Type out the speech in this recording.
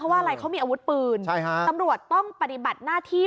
ว่าอะไรเขามีอาวุธปืนตำรวจต้องปฏิบัติหน้าที่